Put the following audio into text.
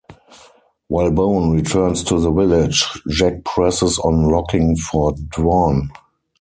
While Boan returns to the village, Jack presses on looking for Dwan.